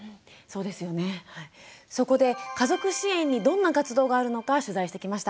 そこで家族支援にどんな活動があるのか取材してきました。